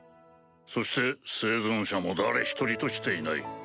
そして生存者も誰一人としていない。